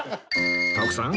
徳さん